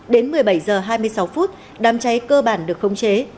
đến một mươi bảy h hai mươi sáu phút đám cháy cơ bản được khống chế